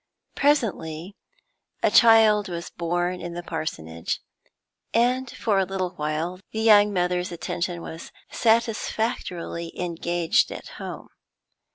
Presently a child was born in the parsonage, and for a little while the young mother's attention was satisfactorily engaged at home.